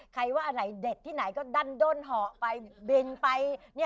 ใครว่าอันไหนเด็ดที่ไหนก็ดันด้นเหาะไปบินไป